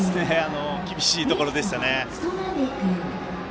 厳しいところでしたね。